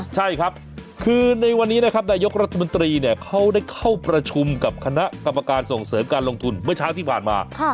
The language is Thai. ใช่ครับคือในวันนี้นะครับนายกรัฐมนตรีเนี่ยเขาได้เข้าประชุมกับคณะกรรมการส่งเสริมการลงทุนเมื่อเช้าที่ผ่านมา